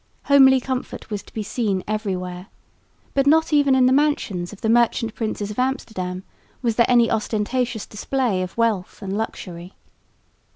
Homely comfort was to be seen everywhere, but not even in the mansions of the merchant princes of Amsterdam was there any ostentatious display of wealth and luxury.